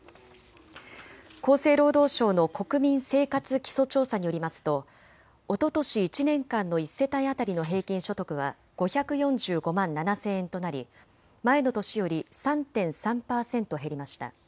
厚生労働省の国民生活基礎調査によりますとおととし１年間の１世帯当たりの平均所得は５４５万７０００円となり前の年より３．３％減りました。